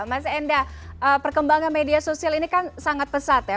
mas enda perkembangan media sosial ini kan sangat pesat ya